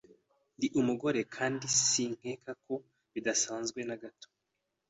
Ndi umugore kandi sinkeka ko bidasanzwe na gato.